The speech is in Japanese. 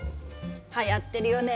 はやってるよね